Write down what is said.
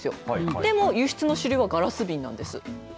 でも、輸出の主流はガラス瓶なんです。